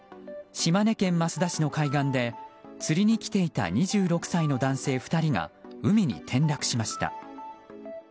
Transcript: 島根県益田市の海岸で釣りに来ていた２６歳の男性２人が海に転落しました。